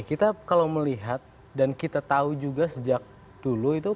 kita kalau melihat dan kita tahu juga sejak dulu itu